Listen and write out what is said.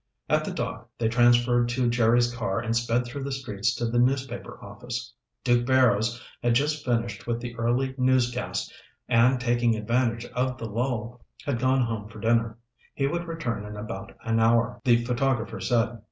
At the dock they transferred to Jerry's car and sped through the streets to the newspaper office. Duke Barrows had just finished with the early newscast and, taking advantage of the lull, had gone home for dinner; he would return in about an hour, the photographer said.